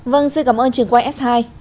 vâng xin cảm ơn trường quay s hai